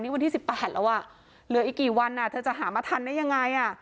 วันที่๑๘แล้วอ่ะเหลืออีกกี่วันเธอจะหามาทันได้ยังไง